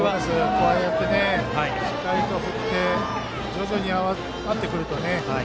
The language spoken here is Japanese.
こうやってしっかりと振って徐々に合ってくるとね